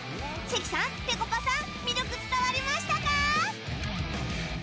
関さん、ぺこぱさん魅力伝わりましたか？